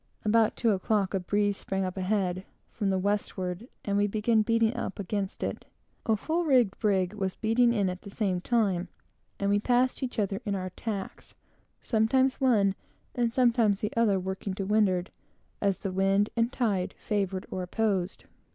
About two o'clock a breeze sprang up ahead, from the westward, and we began beating up against it. A full rigged brig was beating in at the same time, and we passed one another, in our tacks, sometimes one and sometimes the other, working to windward, as the wind and tide favored or opposed.